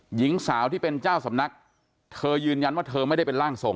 หญิงสาวที่เป็นเจ้าสำนักเธอยืนยันว่าเธอไม่ได้เป็นร่างทรง